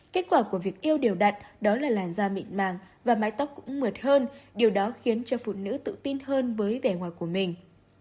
kết quả của việc yêu điều đặt đó là làn da mịn màng và mái tóc cũng mượt hơn điều đó khiến cho phụ nữ tự tin hơn với vẻ ngoài của mình